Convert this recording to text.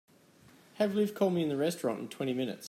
Have Liv call me in the restaurant in twenty minutes.